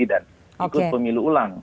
dan ikut pemilu ulang